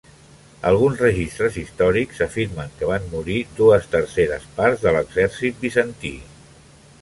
Alguns registres històrics afirmen que van morir dues terceres parts de l'exèrcit bizantí.